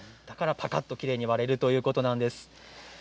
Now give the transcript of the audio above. だから、きれいに割れるということなんです。